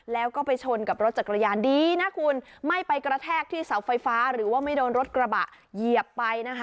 แล้วก็ไปชนกับรถจักรยานดีนะคุณไม่ไปกระแทกที่เสาไฟฟ้าหรือว่าไม่โดนรถกระบะเหยียบไปนะคะ